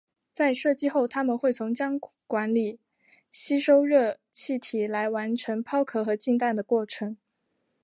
在射击后它们会从枪管里吸收热气体来完成抛壳和进弹的过程。